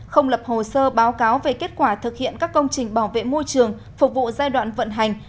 không lập hồ sơ báo cáo về kết quả thực hiện các công trình bảo vệ môi trường phục vụ giai đoạn vận hành